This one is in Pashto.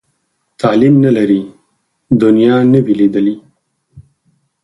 تعلیم نه لري، دنیا نه وي لیدلې.